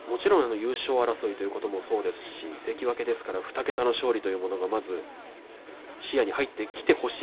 優勝争いということもそうですし関脇ですから２桁の勝利が視野に入ってほしい。